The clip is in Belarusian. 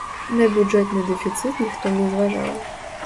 На бюджэтны дэфіцыт ніхто не зважаў.